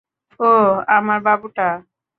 ওহ, আমার বাবুটা!